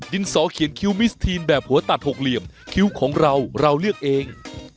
สอเขียนคิ้วมิสทีนแบบหัวตัดหกเหลี่ยมคิ้วของเราเราเลือกเอง